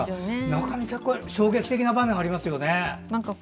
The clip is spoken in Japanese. なかなか衝撃的な場面もありますよね。